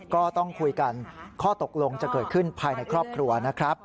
ก็ต้องคุยกันข้อตกลงจะเกิดขึ้นภายในครอบครัวนะครับ